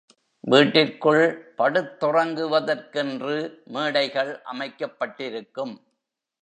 வீட்டிற்குள் படுத்துறங்குவதற்கென்று மேடைகள் அமைக்கப்பட்டிருக்கும்.